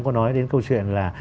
có nói đến câu chuyện là